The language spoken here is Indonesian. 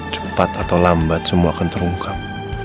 cepat atau lambat semua akan terungkap